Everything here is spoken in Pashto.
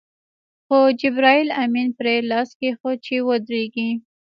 خو جبرائیل امین پرې لاس کېښود چې ودرېږي.